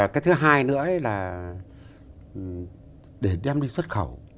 cái thứ hai nữa là để đem đi xuất khẩu